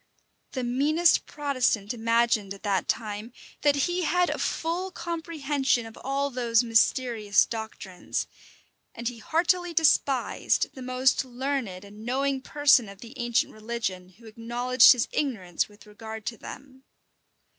[*] The meanest Protestant imagined, at that time, that he had a full comprehension of all those mysterious doctrines; and he heartily despised the most learned and knowing person of the ancient religion, who acknowledged his ignorance with regard to them.